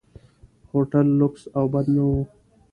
هوټل لکس او بد نه و.